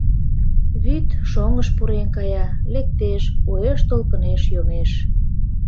Вӱд шоҥыш пурен кая, лектеш, уэш толкынеш йомеш.